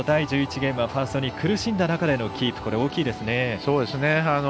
ゲームはファーストに苦しんだ中でのキープ大きいですね。